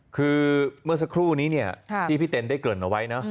คือเมื่อสักครู่นี้เนี่ยที่พี่เต้นได้เกริ่นเอาไว้นะ